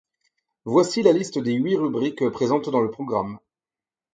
Voici la liste des huit rubriques présentes dans le programme.